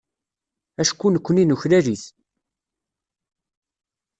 Acku nekkni nuklal-it.